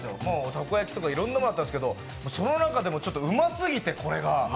たこ焼きとかいろんなものがあったんですけどその中でもこれがうますぎて。